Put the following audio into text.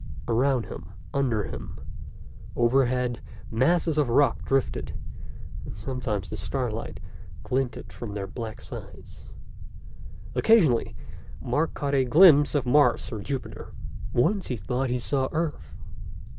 Around him, under him, overhead, masses of rock drifted, and sometimes the starlight glinted from their black sides. Occasionally, Mark caught a glimpse of Mars or Jupiter. Once he thought he saw Earth.